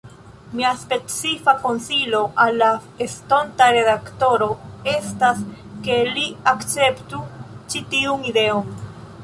Mia specifa konsilo al la estonta redaktoro estas, ke li akceptu ĉi tiun ideon.